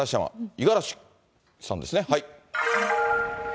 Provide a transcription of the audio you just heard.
五十嵐さんですね。